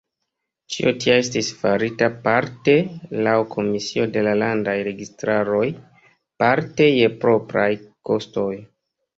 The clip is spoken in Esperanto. Ĉio tia estis farita parte laŭ komisio de landaj registaroj parte je propraj kostoj.